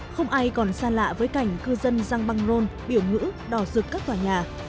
không ai còn xa lạ với cảnh cư dân răng băng rôn biểu ngữ đỏ rực các tòa nhà